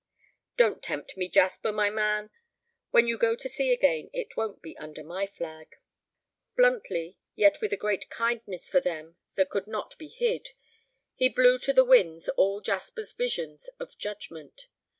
"Don't tempt me, Jasper, my man; when you go to sea again, it won't be under my flag." Bluntly, yet with a great kindness for them that could not be hid, he blew to the winds all Jasper's visions of judgment.